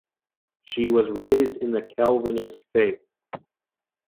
She was raised in the Calvinist faith.